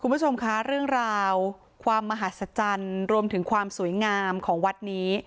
คุณผู้ชมคะเรื่องราวความมหัศจรรย์รวมถึงความสวยงามของวัดนี้